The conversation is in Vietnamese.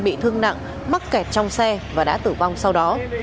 bị thương nặng mắc kẹt trong xe và đã tử vong sau đó